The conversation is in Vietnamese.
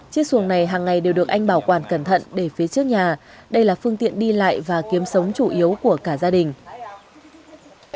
chiếc xuồng này hàng ngày đều được anh bảo quản cẩn thận để phía trước nhà đây là phương tiện đi lại và kiếm sống chủ yếu của cả gia đình